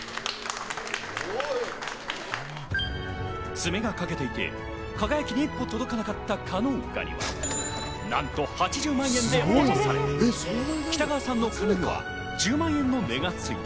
爪が欠けていて、輝に一歩届かなかった加能がには、なんと８０万円で競り落とされ、北川さんのかにには１０万円の値がついた。